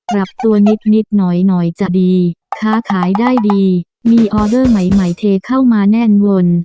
ปรับตัวนิดหน่อยหน่อยจะดีค้าขายได้ดีมีออเดอร์ใหม่เทเข้ามาแน่นวน